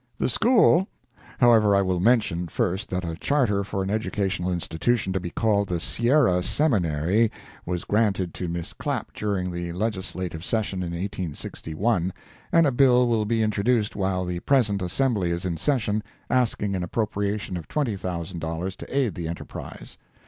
The school—however, I will mention, first that a charter for an educational institution to be called the Sierra Seminary, was granted to Miss Clapp during the Legislative session of 1861, and a bill will be introduced while the present Assembly is in session, asking an appropriation of $20,000 to aid the enterprise.